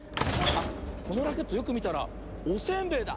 あっこのラケットよくみたらおせんべいだ。